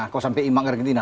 kalau sampai imbang argentina